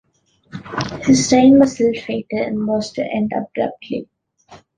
His reign was ill-fated and was to end abruptly.